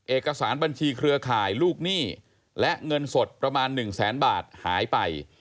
เอกสารบัญชีเครือข่ายลูกหนี้และเงินสดประมาณ๑แสนบาทหายไป